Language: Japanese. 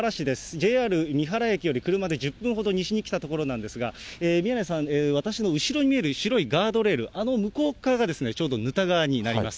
ＪＲ三原駅より車で１０分ほど西に来た所なんですが、宮根さん、私の後ろに見える白いガードレール、あの向こうっ側がちょうど沼田川になります。